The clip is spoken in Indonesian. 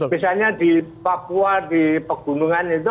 misalnya di papua di pegunungan itu